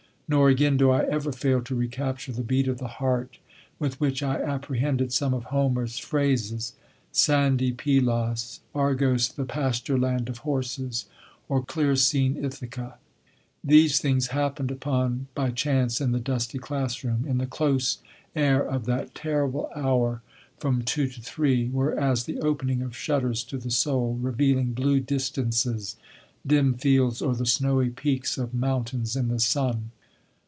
Nor, again, do I ever fail to recapture the beat of the heart with which I apprehended some of Homer's phrases: "Sandy Pylos," Argos "the pasture land of horses," or "clear seen" Ithaca. These things happened upon by chance in the dusty class room, in the close air of that terrible hour from two to three, were as the opening of shutters to the soul, revealing blue distances, dim fields, or the snowy peaks of mountains in the sun.